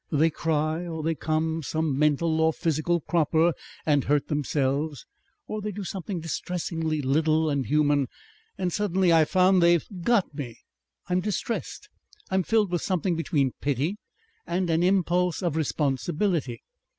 They cry or they come some mental or physical cropper and hurt themselves, or they do something distressingly little and human and suddenly I find they've GOT me. I'm distressed. I'm filled with something between pity and an impulse of responsibility.